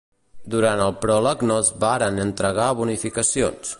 Durant el pròleg no es varen entregar bonificacions.